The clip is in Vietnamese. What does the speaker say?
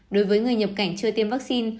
đối với người nhập cảnh chưa tiêm vaccine